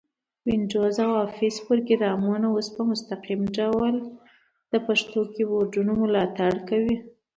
وینډوز او افس پروګرامونه اوس په مستقیم ډول د پښتو کیبورډ ملاتړ کوي.